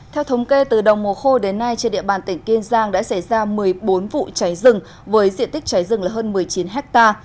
theo thống kê từ đồng mùa khô đến nay trên địa bàn tỉnh kiên giang đã xảy ra một mươi bốn vụ cháy rừng với diện tích cháy rừng là hơn một mươi chín ha